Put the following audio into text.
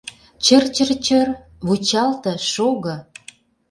Чыр-чыр-чыр — вучалте, шого.